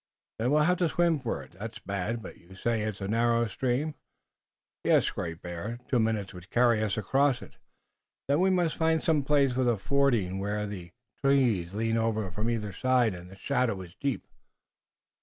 "Then we'll have to swim for it. That's bad. But you say it's a narrow stream?" "Yes, Great Bear. Two minutes would carry us across it." "Then we must find some place for the fording where the trees lean over from either side and the shadow is deep."